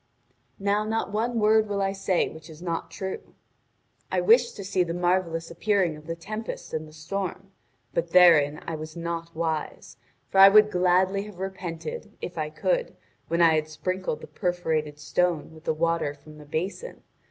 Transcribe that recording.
Now not one word will I say which is not true. I wished to see the marvellous appearing of the tempest and the storm; but therein I was not wise, for I would gladly have repented, if I could, when I had sprinkled the perforated stone with the water from the basin.